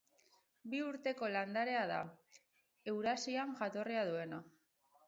Bi urteko landarea da, Eurasian jatorria duena.